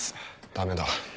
ダメだ。